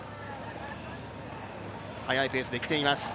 速いペースできています。